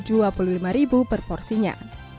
dan ini adalah porsinya